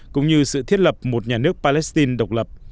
cũng như sự thiết lập một nhà nước palestine độc lập